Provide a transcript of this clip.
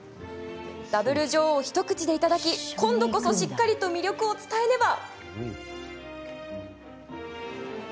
ダブル女王を一口でいただき今度こそしっかりと魅力を伝えねば。